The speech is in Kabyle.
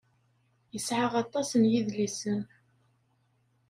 Yesεa aṭas n yedlisen.